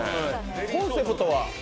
コンセプトは？